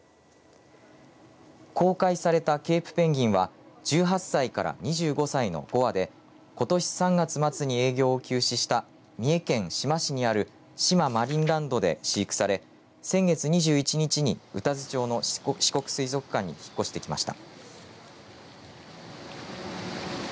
公開されたケープペンギンは１８歳から２５歳の５羽でことし３月末に営業を休止した三重県志摩市にある志摩マリンランドで飼育され先月２１日に宇多津町の四国水族館に引っ越してきました。